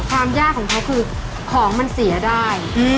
ความยากของเขาคือของมันเสียได้